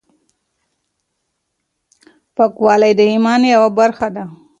پاکوالی د ايمان يوه برخه ده.